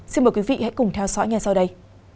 xin mời quý vị hãy cùng theo dõi ngay sau đây